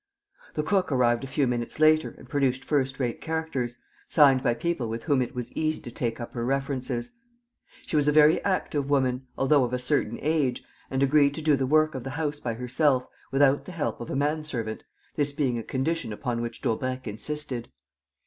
The cook arrived a few minutes later and produced first rate characters, signed by people with whom it was easy to take up her references. She was a very active woman, although of a certain age, and agreed to do the work of the house by herself, without the help of a man servant, this being a condition upon which Daubrecq insisted.